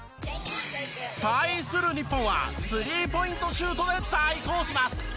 対する日本はスリーポイントシュートで対抗します。